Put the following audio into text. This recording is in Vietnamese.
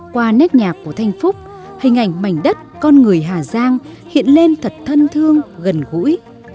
qua nét nhạc của thanh phúc hình ảnh mảnh đất con người hà giang hiện lên thật thân thương gần gũi